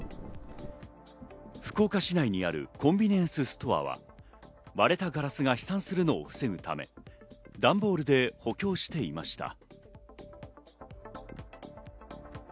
福岡市内にあるコンビニエンスストアは、割れたガラスが飛散するのを防ぐため段ボールで補強していました。